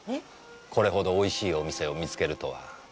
これほどおいしいお店を見つけるとは。